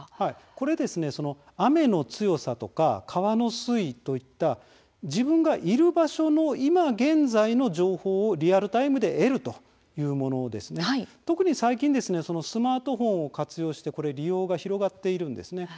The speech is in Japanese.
これは雨の強さや川の水位といった自分が今いる場所の現在の情報をリアルタイムで得るというもので特に最近はスマートフォンを活用して利用が広がっています。